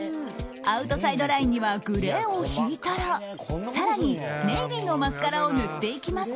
アウトサイドラインにはグレーを引いたら更にネイビーのマスカラを塗っていきます。